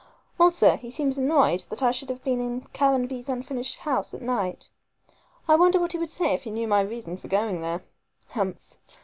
Also he seems annoyed that I should have been in Caranby's unfinished house at night. I wonder what he would say if he knew my reason for going there. Humph!